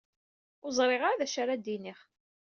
Ur ẓriɣ ara d acu ara d-iniɣ.